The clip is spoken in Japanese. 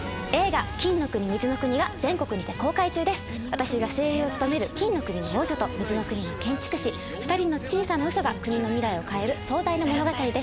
私が声優を務める金の国の王女と水の国の建築士２人の小さなウソが国の未来を変える壮大な物語です。